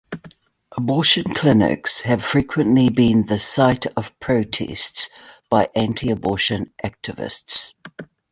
Abortion clinics have frequently been the site of protests by anti-abortion activists.